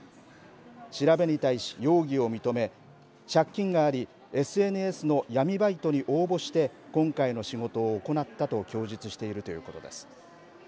調べに対し容疑を認め借金がありＳＮＳの闇バイトに応募して今回の仕事を行ったと供述しているということです。